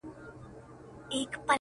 د وخت پاچا زه په يوه حالت کي رام نه کړم!